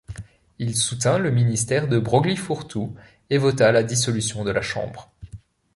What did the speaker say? Il soutint le ministère de Broglie-Fourtou, et vota la dissolution de la Chambre.